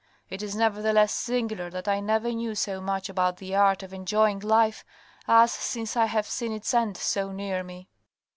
It is nevertheless singular that I never knew so much about the art of enjoying life, as since I have seen its end so near me."